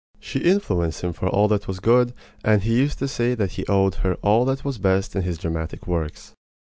She influenced him for all that was good, and he used to say that he owed her all that was best in his dramatic works.